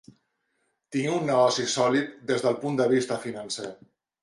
Tinc un negoci sòlid des del punt de vista financer.